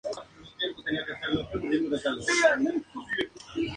El análisis final se representa gráficamente en cajas que se contienen entre ellas.